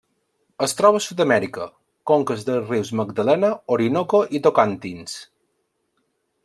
Es troba a Sud-amèrica: conques dels rius Magdalena, Orinoco i Tocantins.